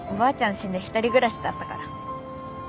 死んで一人暮らしだったから。